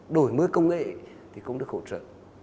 đổi mới công nghệ thì cũng được hỗ trợ